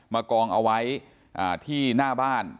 กองเอาไว้ที่หน้าบ้าน